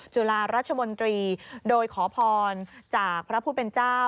จุฬาราชมนตรีโดยขอพรจากพระผู้เป็นเจ้า